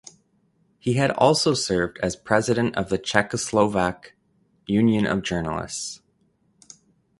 He had also served as President of the Czechoslovak Union of Journalists.